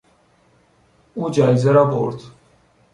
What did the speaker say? او جایزه را برد.